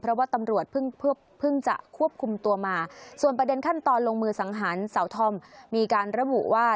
เพราะว่าตำรวจเพิ่งจะควบคุมตัวมาส่วนประเด็นขั้นตอนลงมือสังหารสาวธอมมีการระบุว่า